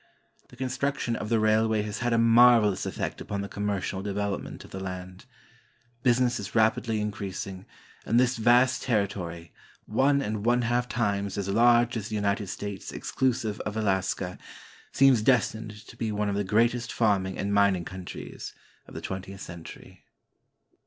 The construction of the railway has had a marvelous effect upon the commercial development of the land. Business is rapidly increasing, and this vast territory, one and one half times as large as the United States exclusive of Alaska, seems destined to be one of the greatest farming and mining countries of the twentieth century.